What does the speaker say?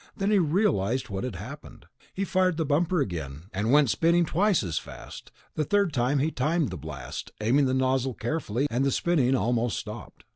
Then he realized what had happened. He fired the bumper again, and went spinning twice as fast. The third time he timed the blast, aiming the nozzle carefully, and the spinning almost stopped.